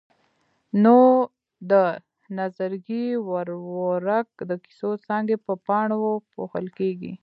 نو د نظرګي ورورک د کیسو څانګې په پاڼو پوښل کېږي.